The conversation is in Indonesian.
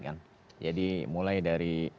kan jadi mulai dari